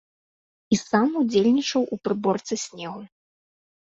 І сам удзельнічаў у прыборцы снегу.